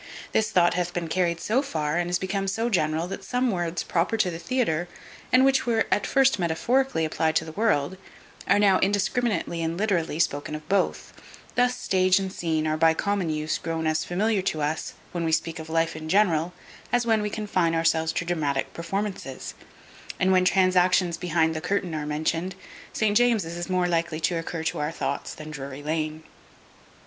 This thought hath been carried so far, and is become so general, that some words proper to the theatre, and which were at first metaphorically applied to the world, are now indiscriminately and literally spoken of both; thus stage and scene are by common use grown as familiar to us, when we speak of life in general, as when we confine ourselves to dramatic performances: and when transactions behind the curtain are mentioned, St James's is more likely to occur to our thoughts than Drury lane.